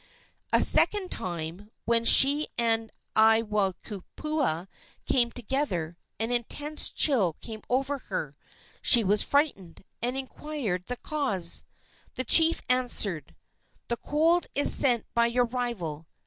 A second time, when she and Aiwohikupua came together, an intense chill came over her. She was frightened, and inquired the cause. The chief answered: "The cold is sent by your rival.